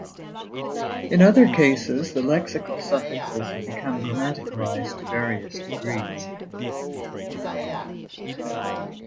In other cases, the lexical suffixes have become grammaticalized to various degrees.